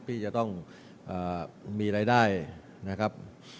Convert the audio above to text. ที่จะต้องมีรายได้นะครับ